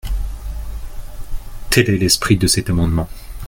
Tel est l’esprit de cet amendement.